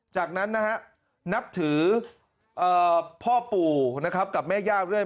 จากนั้นนะฮะนับถือพ่อปู่นะครับกับแม่ย่าเรื่อย